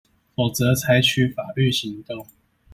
否則採取法律行動